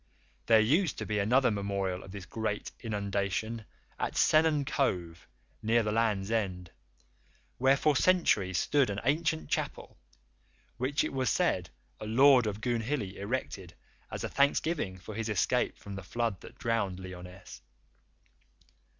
There used to be another memorial of this great inundation at Sennen Cove, near the Land's End, where for centuries stood an ancient chapel which it was said a Lord of Goonhilly erected as a thanksgiving for his escape from the flood that drowned Lyonesse.